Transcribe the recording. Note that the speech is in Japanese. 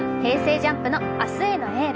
ＪＵＭＰの「明日へのＹＥＬＬ」。